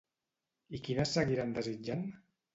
I quines seguiran desitjant?